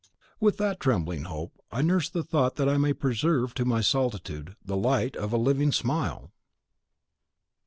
With what trembling hope I nurse the thought that I may preserve to my solitude the light of a living smile!